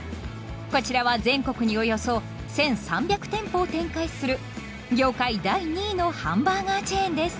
こちらは全国におよそ１３００店舗を展開する業界第２位のハンバーガーチェーンです。